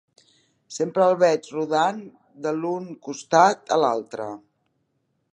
Sempre el veig rodant de l'un costat a l'altre.